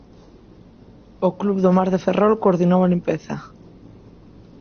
O Club do Mar de Ferrol coordinou a limpeza.